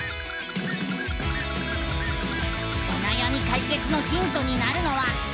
おなやみかいけつのヒントになるのは。